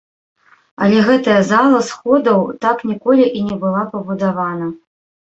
Але гэтая зала сходаў так ніколі і не была пабудавана.